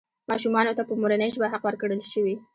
ماشومانو ته په مورنۍ ژبه حق ورکړل شوی.